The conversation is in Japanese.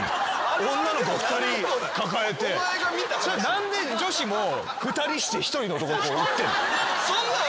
何で女子も２人して１人の男いってんの？